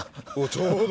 ちょうど。